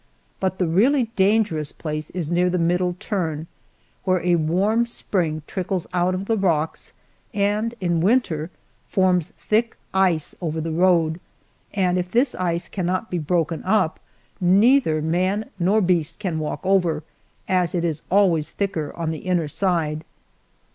But the really dangerous place is near the middle turn, where a warm spring trickles out of the rocks and in winter forms thick ice over the road; and if this ice cannot be broken up, neither man nor beast can walk over, as it is always thicker on the inner side.